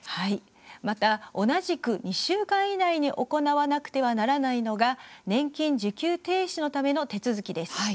また同じく２週間以内に行わなくてはならないのが年金受給停止のための手続きです。